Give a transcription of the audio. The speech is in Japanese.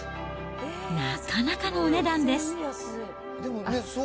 なかなかのお値段です。